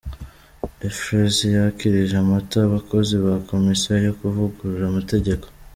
Ephrasie yakirije amata abakozi ba Komisiyo yo kuvugurura amategeko.